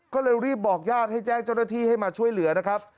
ก็เลยรีบบอกญาติให้แจ้งเจ้าหน้าที่ให้มาช่วยเหลือนะครับ